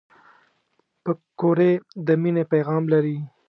پکورې د مینې پیغام لري